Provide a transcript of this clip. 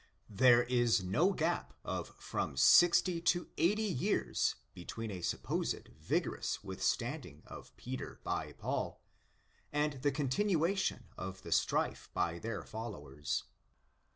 There is no gap of from sixty to eighty years between a supposed vigorous withstanding of Peter by Paul and the con tinuation of the strife by their followers.